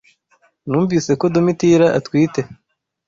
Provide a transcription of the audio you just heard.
Numvise ko Domitira atwite.